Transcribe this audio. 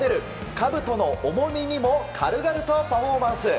かぶとの重荷にも軽々とパフォーマンス。